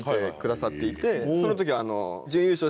その時。